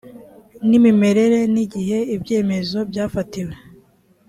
n imimerere n igihe ibyemezo byafatiwe